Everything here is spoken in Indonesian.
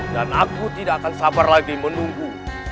dan aku tidak akan sabar lagi menunggu